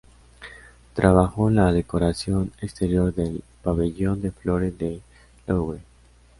Trabajó en la decoración exterior del pabellón de Flore del Louvre.